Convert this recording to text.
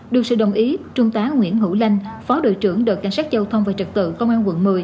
được sự đồng ý trung tá nguyễn hữu lanh phó đội trưởng đội cảnh sát giao thông và trật tự công an quận một mươi